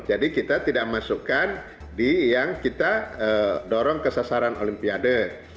jadi kita tidak masukkan di yang kita dorong ke sasaran olimpiade